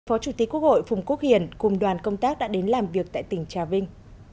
phó chủ tịch quốc hội phùng quốc hiển cùng đoàn công tác đã đến làm việc tại tỉnh trà vinh